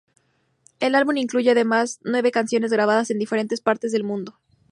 El álbum incluye, además, nuevas canciones grabadas en diferentes partes del mundo.